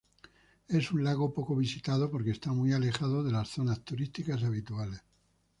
Es un lago poco visitado porque está muy alejado de las zonas turísticas habituales.